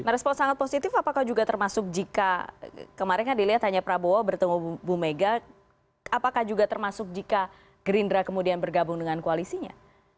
respon sangat positif apakah juga termasuk jika kemarin kan dilihat hanya prabowo bertemu bu mega apakah juga termasuk jika gerindra kemudian bergabung dengan koalisinya